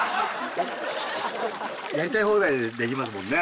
やりたい放題できますもんね。